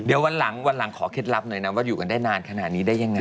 เดี๋ยววันหลังวันหลังขอเคล็ดลับหน่อยนะว่าอยู่กันได้นานขนาดนี้ได้ยังไง